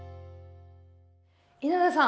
稲田さん